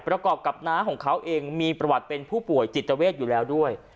ประกอบกับน้าของเขาเองมีประวัติเป็นผู้ป่วยจิตเวทอยู่แล้วด้วย